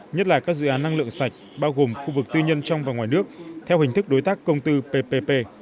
nhất là các dự án năng lượng sạch bao gồm khu vực tư nhân trong và ngoài nước theo hình thức đối tác công tư ppp